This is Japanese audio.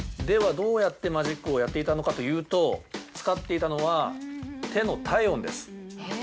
では、どうやってマジックをやっていたのかというと、使っていたのは、手の体温です。